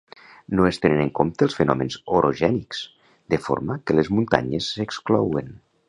No es tenen en compte els fenòmens orogènics, de forma que les muntanyes s'exclouen.